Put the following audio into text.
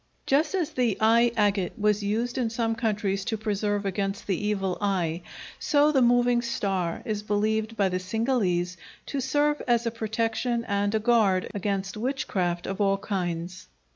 Just as the eye agate was used in some countries to preserve against the Evil Eye, so the moving star is believed by the Cingalese to serve as a protection and a guard against witchcraft of all kinds.